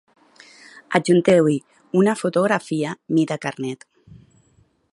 Adjunteu-hi una fotografia mida carnet.